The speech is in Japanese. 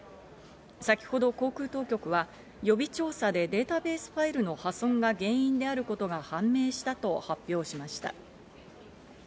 先ほど航空当局は、予備調査でデータベースファイルの破損が原因であることが判明したと発表しました。